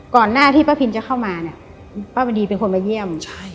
ก่อนหน้าที่ป้าพินจะเข้ามาป้าวันดีเป็นคนมาเยี่ยม